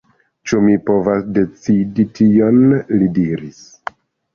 Ĉu mi povas decidi tion?li diris.